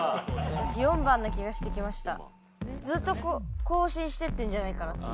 私４番の気がしてきました。